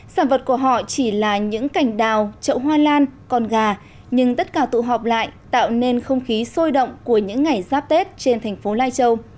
sản vật của họ chỉ là những cành đào trậu hoa lan còn gà nhưng tất cả tụ họp lại tạo nên không khí sôi động của những ngày giáp tết trên thành phố lai châu